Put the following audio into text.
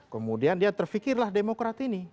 kemudian dia terfikirlah demokrat ini